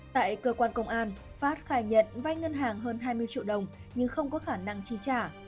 tại cơ quan công an phát khai nhận vai ngân hàng hơn hai mươi triệu đồng nhưng không có khả năng chi trả